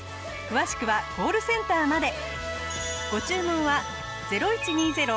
詳しくはコールセンターまで。